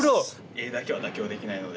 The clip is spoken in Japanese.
絵だけは妥協できないので。